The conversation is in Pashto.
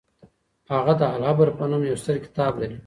هغه د العبر په نوم يو ستر کتاب لري.